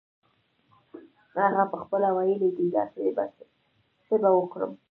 هغه پخپله ویلې دي داسې څه به وکړم.